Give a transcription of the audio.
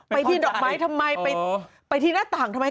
ที่ดอกไม้ทำไมไปที่หน้าต่างทำไม